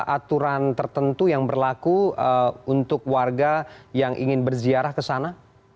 aturan tertentu yang berlaku untuk warga yang ingin berziarah ke sana